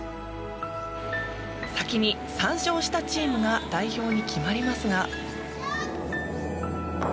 先に３勝したチームが代表に決まりますが。